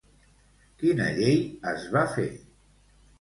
Quina llei es va fer?